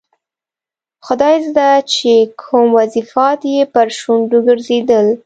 خدایزده چې کوم وظیفات یې پر شونډو ګرځېدل.